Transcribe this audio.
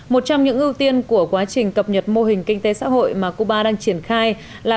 một trong những ưu tiên của quá trình cập nhật mô hình kinh tế xã hội mà cuba đang triển khai là